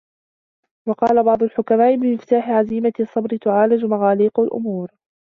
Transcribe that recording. وَقَالَ بَعْضُ الْحُكَمَاءِ بِمِفْتَاحِ عَزِيمَةِ الصَّبْرِ تُعَالَجُ مَغَالِيقُ الْأُمُورِ